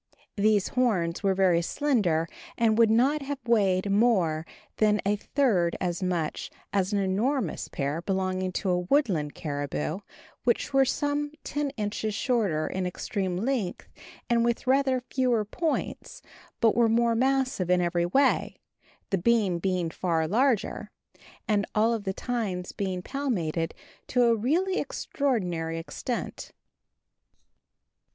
These horns were very slender, and would not have weighed more than a third as much as an enormous pair belonging to a woodland caribou, which were some 10 inches shorter in extreme length, and with rather fewer points, but were more massive in every way, the beam being far larger, and all of the tines being palmated to a really extraordinary extent.